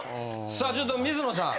さあちょっと水野さん。